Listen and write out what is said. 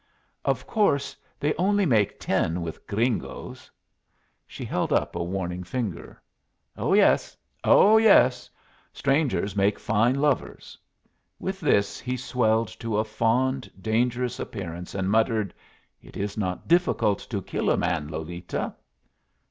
"Of course they only make ten with gringos." She held up a warning finger. "Oh yes, oh yes! Strangers make fine lovers!" With this he swelled to a fond, dangerous appearance, and muttered, "It is not difficult to kill a man, Lolita."